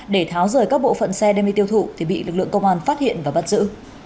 để tháo rời các bộ phận xe đem đi tiêu thụ thì bị lực lượng công an phát hiện và bắt giữ